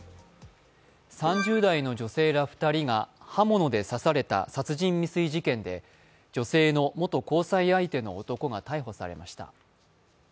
３０代の女性ら２人が刃物で刺された殺人未遂事件で女性の元交際相手の男が逮捕されました。